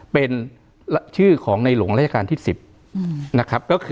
เป็นชื่อของในหลวงราชการที่๑๐นะครับ